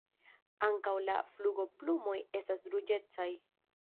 Ankaŭ la flugoplumoj estas ruĝecaj.